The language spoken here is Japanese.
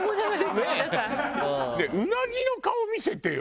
ねえうなぎの顔見せてよ。